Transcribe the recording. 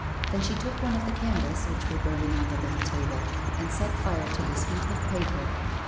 Then she took one of the candles which were burning on the little table, and set fire to this heap of paper.